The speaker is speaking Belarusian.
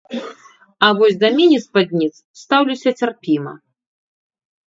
А вось да міні-спадніц стаўлюся цярпіма.